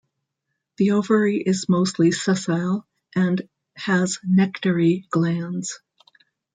The ovary is mostly sessile and has nectary glands.